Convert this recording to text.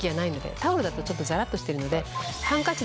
タオルだとちょっとザラっとしてるので。